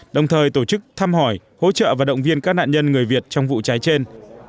đồng thời tổ chức thăm hỏi hỗ trợ và động viên các nạn nhân người việt trong vụ cháy trên